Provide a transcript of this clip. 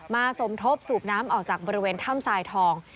สมทบสูบน้ำออกจากบริเวณถ้ำทรายทอง